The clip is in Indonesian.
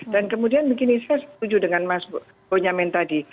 dan kemudian begini saya setuju dengan mas bonyamen tadi